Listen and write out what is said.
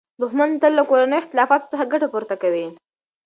دښمن تل له کورنیو اختلافاتو څخه ګټه پورته کوي.